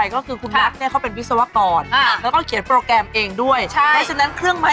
เครื่องแล้วเท่าไหร่ตอนแรกที่เธอสั่งจากเมืองจีน